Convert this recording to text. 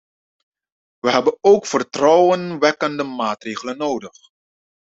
Wij hebben ook vertrouwenwekkende maatregelen nodig.